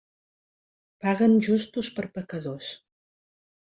Paguen justos per pecadors.